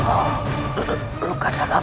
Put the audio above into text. semakin parah jadi aku susah bergerak